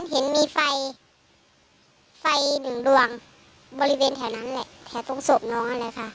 เห็นมีไฟไฟหนึ่งดวงบริเวณแถวนั้นแหละแถวตรงศพน้องนั่นแหละค่ะ